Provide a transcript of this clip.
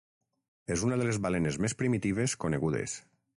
És una de les balenes més primitives conegudes.